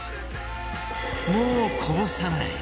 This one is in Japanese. もうこぼさない！